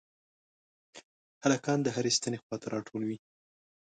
هلکان د هرې ستنې خواته راټول وي.